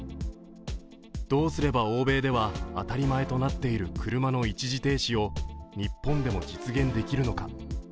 どうすれば欧米では当たり前となっている車の一時停止を日本でも実現できるのか。